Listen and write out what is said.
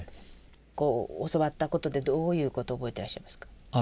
教わったことでどういうことを覚えてらっしゃいますか？